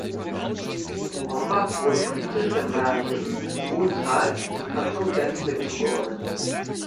Hombach wurde politisch der Mairie Odenthal im Kanton Bensberg zugeordnet.